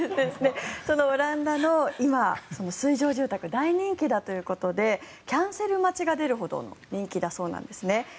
そのオランダの今、水上住宅大人気だということでキャンセル待ちが出るほど人気だそうなんですね。